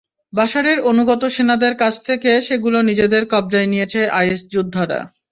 বাশারের অনুগত সেনাদের কাছ থেকে সেগুলো নিজেদের কব্জায় নিয়েছে আইএস যোদ্ধারা।